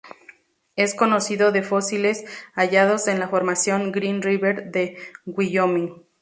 Es conocido de fósiles hallados en la formación Green River de Wyoming.